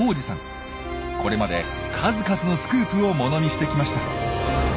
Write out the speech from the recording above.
これまで数々のスクープをものにしてきました。